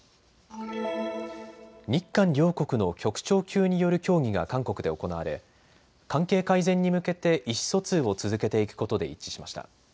日韓両国の局長級による協議が韓国で行われ関係改善に向けて意思疎通を続けていくことで一致しました。